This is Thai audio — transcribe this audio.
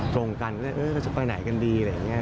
ตรงกันก็เลยเออจะไปไหนกันดีอะไรอย่างนี้